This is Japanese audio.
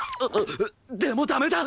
でもダメだ！